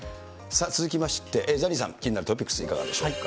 続きまして、ザニーさん、気になるトピックス、いかがでしょうか。